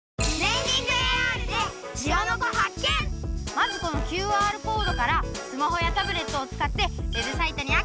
まずこのＱＲコードからスマホやタブレットを使ってウェブサイトにアクセスしよう！